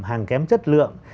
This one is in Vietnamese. hàng kém chất lượng